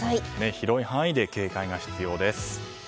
広い範囲で警戒が必要です。